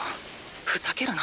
ふざけるな。